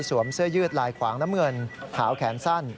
เสื้อยืดลายขวางน้ำเงินขาวแขนสั้น